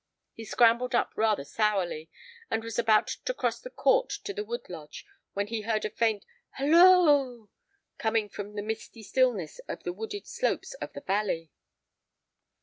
He scrambled up rather sourly, and was about to cross the court to the wood lodge when he heard a faint "halloo" coming from the misty stillness of the wooded slopes of the valley.